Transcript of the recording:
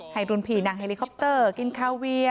ให้รุนผีนางไฮลีคอปเตอร์กินคาเวีย